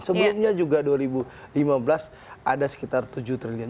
sebelumnya juga dua ribu lima belas ada sekitar tujuh triliun